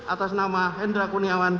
atas nama hendra kuniawan